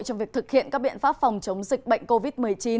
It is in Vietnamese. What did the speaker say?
trong việc thực hiện các biện pháp phòng chống dịch bệnh covid một mươi chín